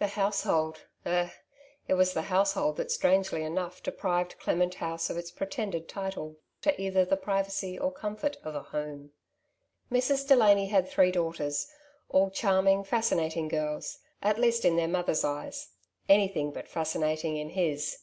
The household, eh, it was the household that, strangely enough, deprived *' Clement House ^^ of its pretended title to either the privacy or comfort of a home. Mrs. Delany had three daughters, all charming, fascinating girls, at least in their mo ther's eyes, anything but fascinating in his.